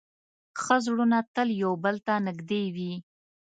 ښه زړونه تل یو بل ته نږدې وي.